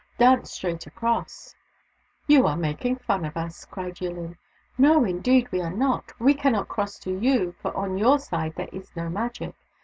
Dance straight across !"" You are making fun of us," cried Yillin. " No, indeed, we are not. We cannot cross to you, for on your side there is no Magic.